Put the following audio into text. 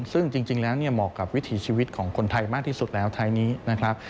ซึ่งจริงแล้วเหมาะกับวิถีชีวิตของคนไทยมากที่สุดแล้วไทยนี้นะครับ